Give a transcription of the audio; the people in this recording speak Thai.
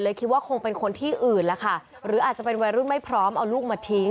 คิดว่าคงเป็นคนที่อื่นแล้วค่ะหรืออาจจะเป็นวัยรุ่นไม่พร้อมเอาลูกมาทิ้ง